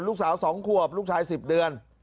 ลูกสาว๒ขวบลูกชาย๑๐เดือน